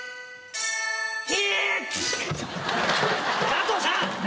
加藤さん！